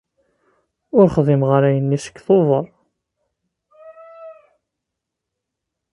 Ur xdimeɣ ara ayen-nni seg Tubeṛ.